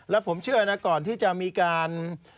แล้วผมเชื่อนะก่อนที่จะมีการ